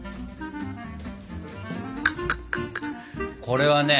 これはね